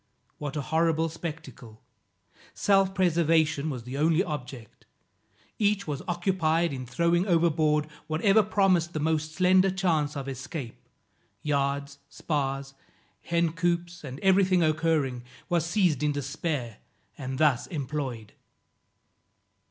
What a horrible spectacle! Self preservation was the only object; each was occupied in throwing overboard whatever promised the most slender chance of escape, yards, spars, hen coops and everything occurring, was seized in despair, and thus employed.